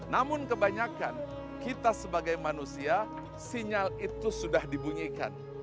namun kebanyakan kita sebagai manusia sinyal itu sudah dibunyikan